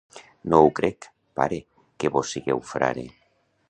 No ho crec, pare, que vós sigueu frare.